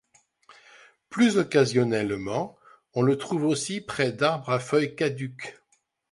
Plus occasionnellement, on le trouve aussi près d'arbres à feuilles caduques.